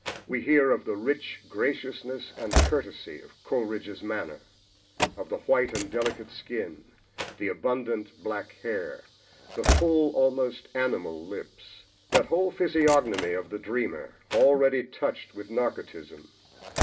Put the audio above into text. We hear of the "rich graciousness and courtesy" of Coleridge's manner, of the white and delicate skin, the abundant black hair, the full, almost animal lips that whole physiognomy of the dreamer, already touched with narcotism.